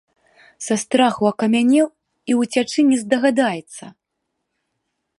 Са страху акамянеў і ўцячы не здагадаецца.